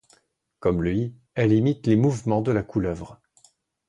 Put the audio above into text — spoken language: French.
Comme lui, elle imite les mouvements de la couleuvre.